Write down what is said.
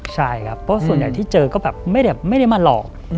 ใช่ครับเพราะส่วนใหญ่ที่เจอก็แบบไม่ได้มาหลอก